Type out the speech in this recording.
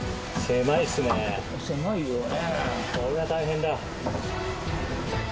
これは大変だ。